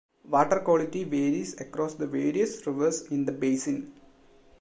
Water quality varies across the various rivers in the basin.